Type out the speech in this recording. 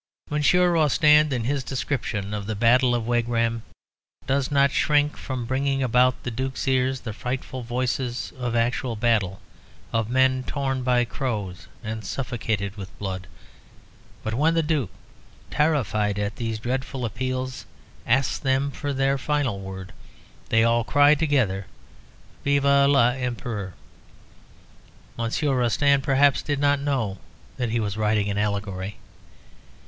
Monsieur Rostand, in his description of the Battle of Wagram, does not shrink from bringing about the Duke's ears the frightful voices of actual battle, of men torn by crows, and suffocated with blood, but when the Duke, terrified at these dreadful appeals, asks them for their final word, they all cry together Vive l'Empereur! Monsieur Rostand, perhaps, did not know that he was writing an allegory.